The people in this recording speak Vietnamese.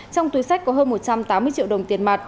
trong túi sách có hơn một trăm tám mươi triệu đồng tiền mặt